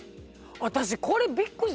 私これびっくりして。